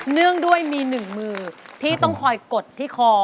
เนื่องด้วยมีหนึ่งมือที่ต้องคอยกดที่คอ